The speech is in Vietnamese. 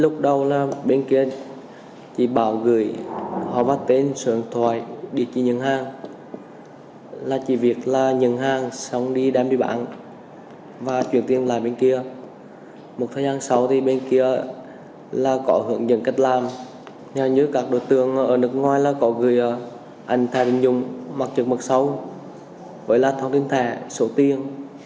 các đối tượng ở nước ngoài có gửi ảnh thả tín dụng mặt trực mặt sâu với thông tin thẻ số tiền